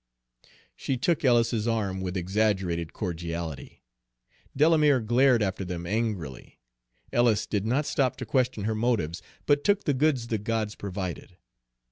She took Ellis's arm with exaggerated cordiality. Delamere glared after them angrily. Ellis did not stop to question her motives, but took the goods the gods provided.